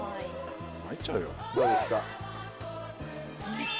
どうですか？